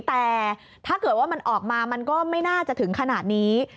แต่ถ้าเกิดว่ามันออกมามันก็ไม่น่าจะถึงขนาดนี้